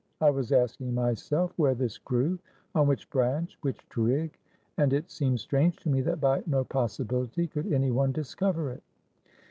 I was asking myself where this grewon which branch, which twig; and it seemed strange to me that by no possibility could anyone discover it."